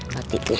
roti itu ya